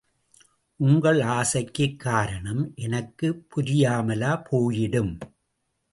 உங்கள் ஆசைக்குக் காரணம் எனக்குப் புரியாமலா போயிடும்?